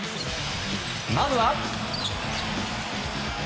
まずは。